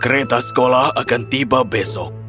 kereta sekolah akan tiba besok